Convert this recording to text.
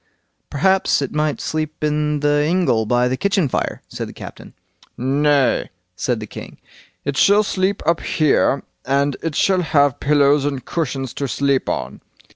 "Perhaps it might sleep in the ingle by the kitchen fire", said the captain. "Nay", said the king, "it shall sleep up here, and it shall have pillows and cushions to sleep on."